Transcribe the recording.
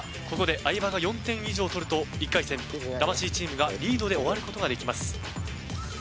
ここで相葉が４点以上取ると１回戦魂チームがリードで終わることができます。